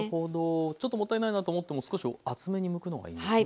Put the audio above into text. ちょっともったいないなと思っても少し厚めにむくのがいいんですね。